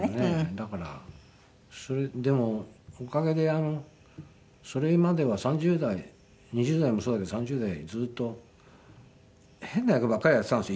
だからでもおかげでそれまでは３０代２０代もそうだけど３０代ずっと変な役ばっかりやっていたんですよ